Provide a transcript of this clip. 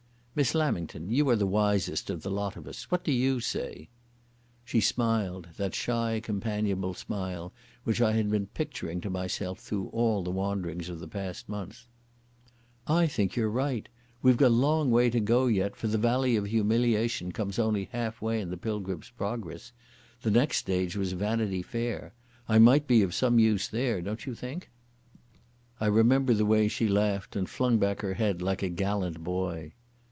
"Miss Lamington, you are the wisest of the lot of us. What do you say?" She smiled—that shy, companionable smile which I had been picturing to myself through all the wanderings of the past month. "I think you are right. We've a long way to go yet, for the Valley of Humiliation comes only half way in the Pilgrim's Progress. The next stage was Vanity Fair. I might be of some use there, don't you think?" I remember the way she laughed and flung back her head like a gallant boy.